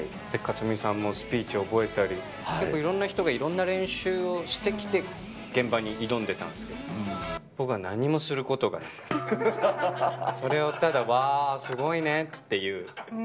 克実さんもスピーチ覚えたり、結構、いろんな人がいろんな練習をしてきて、現場に挑んでたんですけど、僕は何もすることがなく、それをただ、わーっ、すごいねっていう。